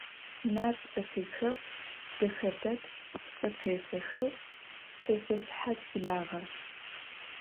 Нэр пӏэпихэу дэхэ дэд псыкъефэхэу «Пшъэшъэ шъхьац благъэр».